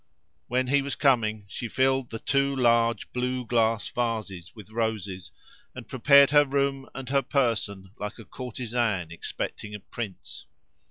When he was coming she filled the two large blue glass vases with roses, and prepared her room and her person like a courtesan expecting a prince.